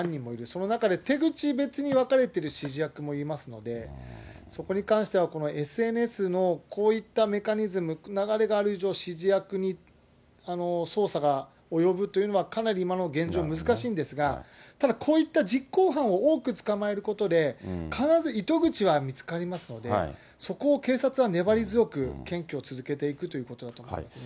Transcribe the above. その中で手口別に分かれている指示役もいますので、そこに関しては、このＳＮＳのこういったメカニズム、流れがある以上、指示役に捜査が及ぶというのは、かなり今の現状、難しいんですが、ただ、こういった実行犯を多く捕まえることで、必ず糸口は見つかりますので、そこを警察は粘り強く検挙を続けていくということだと思いますね。